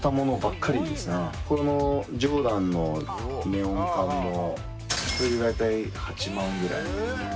このジョーダンのネオン管もこれで大体８万ぐらい。